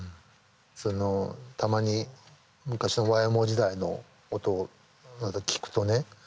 そのたまに昔のＹＭＯ時代の音を聴くとね